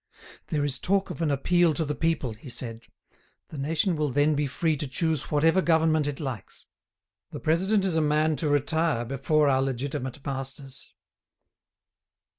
"There is talk of an appeal to the people," he said; "the nation will then be free to choose whatever government it likes. The president is a man to retire before our legitimate masters."